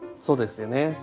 そうですよね。